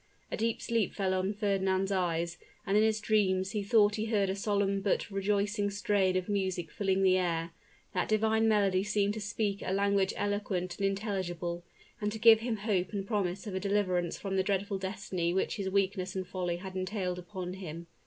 A deep sleep fell on Fernand's eyes, and in his dreams he thought he heard a solemn but rejoicing strain of music filling the air. That divine melody seemed to speak a language eloquent and intelligible, and to give him hope and promise of a deliverance from the dreadful destiny which his weakness and folly had entailed upon him.